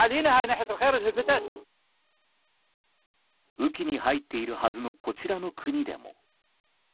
雨季に入っているはずのこちらの国でも。